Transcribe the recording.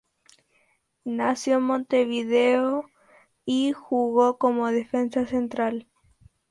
Nació en Montevideo y jugó como defensa central.